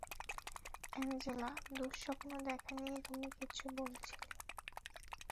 Angela, দুঃস্বপ্ন দেখা নিয়ে তুমি কিছু বলেছিলে।